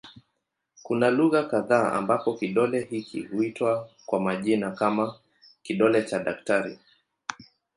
Kuna lugha kadha ambako kidole hiki huitwa kwa majina kama "kidole cha daktari".